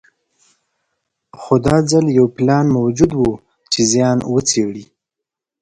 خو دا ځل یو پلان موجود و چې زیان وڅېړي.